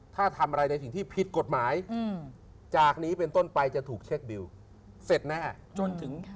ถ้าทำอะไรในสิ่งที่ผิดกฎหมายจากนี้เป็นต้นไปจะถูกเช็คดิวเสร็จแน่จนถึง